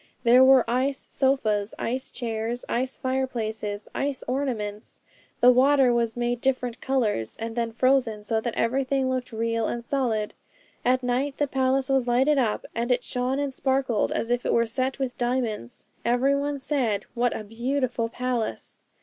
There were ice sofas, ice chairs, ice fireplaces, ice ornaments. The water was made different colours, and then frozen, so that everything looked real and solid. At night the palace was lighted up, and it shone and sparkled as if it were set with diamonds. Every one said, "What a beautiful palace!"